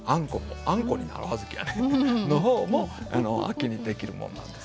あんこになる小豆やねの方も秋にできるもんなんです。